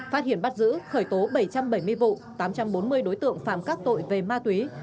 phát hiện bắt giữ khởi tố bảy trăm bảy mươi vụ tám trăm bốn mươi đối tượng phạm các tội về ma túy